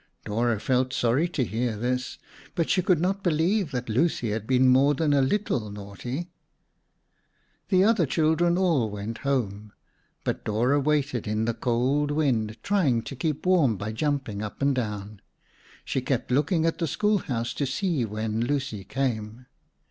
Dora felt sorry to hear this, but she could not believe that Lucy had been more than a little naughty. The other children all went home, but Dora waited in the cold wind, trying to keep warm by jumping up and down. She kept looking at the schoolhouse to see when Lucy came.